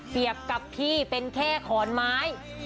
เปรียบกับพี่เป็นแค่ขอนไม้